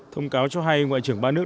thông cáo cho hay ngoại trưởng ba nước